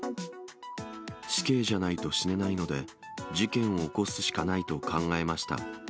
死刑じゃないと死ねないので、事件を起こすしかないと考えました。